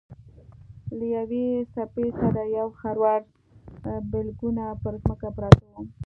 له یوې څپې سره یو خروار بلګونه پر ځمکه پراته وو.